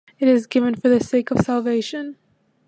It is given for the sake of salvation.